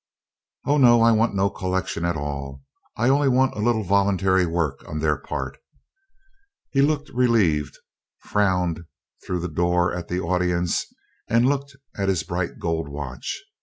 "Oh, no, I want no collection at all. I only want a little voluntary work on their part." He looked relieved, frowned through the door at the audience, and looked at his bright gold watch.